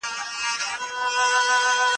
چټک لیکل د یو ښه کارکوونکي نښه ده.